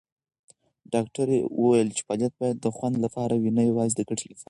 ډاکټره وویل چې فعالیت باید د خوند لپاره وي، نه یوازې د ګټې لپاره.